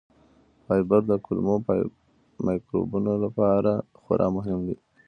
فایبر د کولمو مایکروبونو لپاره خورا مهم دی.